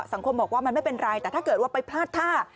สังคมบอกว่ามันไม่เป็นไรแต่ถ้าเกิดว่าไปพลาดท่า